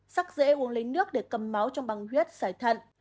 sắc dễ uống lấy nước để cầm máu trong băng huyết sỏi thận